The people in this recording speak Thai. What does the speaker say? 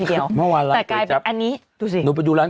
กล้วยทอด๒๐๓๐บาท